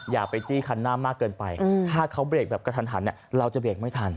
อย่าไปจี้คันหน้ามากเกินไปถ้าเขาเบรกแบบกระทันเราจะเบรกไม่ทัน